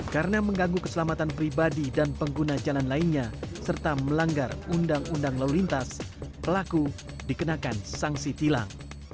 karena mengganggu keselamatan pribadi dan pengguna jalan lainnya serta melanggar undang undang lalu lintas pelaku dikenakan sanksi tilang